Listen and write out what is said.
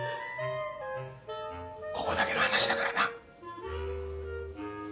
ここだけの話だからな。